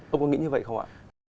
ông có nghĩ như vậy không ạ